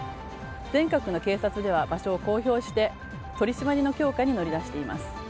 全国の警察では場所を公表して取り締まりの強化に乗り出しています。